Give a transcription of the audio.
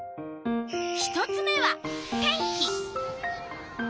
１つ目は天気。